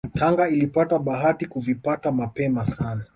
Tanga ilipata bahati kuvipata mapema sana